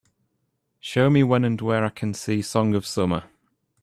Show me when and where I can see Song of Summer